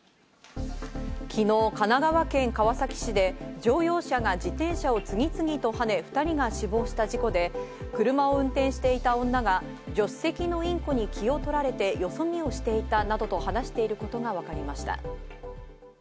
昨日、神奈川県川崎市で乗用車が自転車を次々とはね、２人が死亡した事故で、車を運転していた女が助手席のインコに気を取られてよそ見をしていたなどと話していることがわかりました。